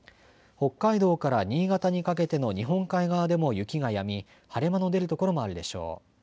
北海道から新潟にかけての日本海側でも雪がやみ、晴れ間の出る所もあるでしょう。